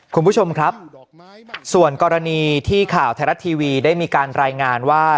คุณผู้ชมครับส่วนกรณีที่ข่าวไทยรัฐทีวีได้มีการรายงานว่า